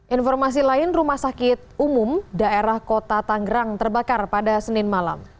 informasi lain rumah sakit umum daerah kota tanggerang terbakar pada senin malam